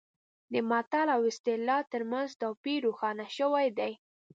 د متل او اصطلاح ترمنځ توپیر روښانه شوی دی